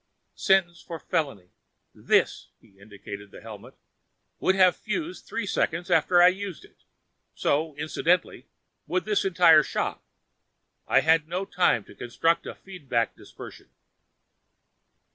Sentence for felony. This " he indicated the helmet "would have fused three seconds after I used it. So, incidentally, would this entire shop. I had no time to construct a feedback dispersion."